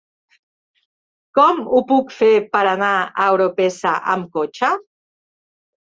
Com ho puc fer per anar a Orpesa amb cotxe?